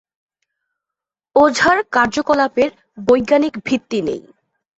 ওঝা’র কার্যকলাপের বৈজ্ঞানিক ভিত্তি নেই।